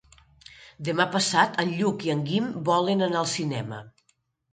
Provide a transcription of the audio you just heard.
Demà passat en Lluc i en Guim volen anar al cinema.